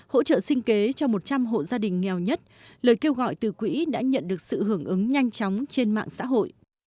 hỗ trợ sinh kế cho một trăm linh hộ gia đình nghèo nhất lời kêu gọi từ quỹ đã nhận được sự hưởng ứng nhanh chóng trên mạng xã hội